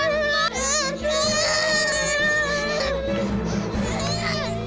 nanti mama ceritain bukunya ya